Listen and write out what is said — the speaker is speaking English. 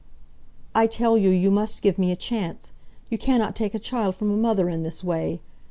"I tell you you must give me a chance. You cannot take a child from a mother in this way.